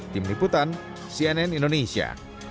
tim liputan cnn indonesia